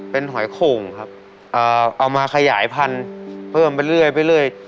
เป็นหอยโข่งครับเอามาขยายพันธุ์เพิ่มไปเรื่อย